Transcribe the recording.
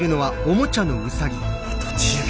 あと１０秒。